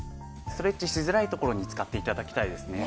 ストレッチしづらいところに使って頂きたいですね。